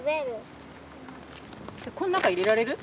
この中入れられる？